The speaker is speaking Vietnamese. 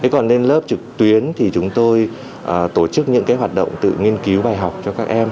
còn lên lớp trực tuyến thì chúng tôi tổ chức những hoạt động tự nghiên cứu bài học cho các em